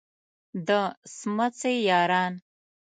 د څمڅې یاران.